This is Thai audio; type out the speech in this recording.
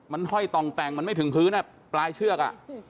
มันห้อยต่องแต่งมันไม่ถึงพื้นปลายเชือก